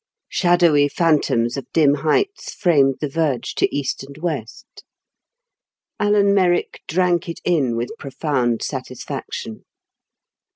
Shadowy phantoms of dim heights framed the verge to east and west. Alan Merrick drank it in with profound satisfaction.